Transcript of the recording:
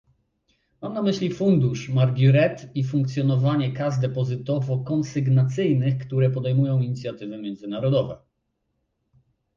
Mam na myśli fundusz Marguerite i funkcjonowanie kas depozytowo-konsygnacyjnych, które podejmują inicjatywy międzynarodowe